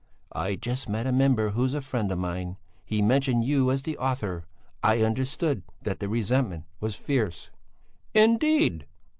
I just met a member who's a friend of mine; he mentioned you as the author; I understood that the resentment was fierce." "Indeed?"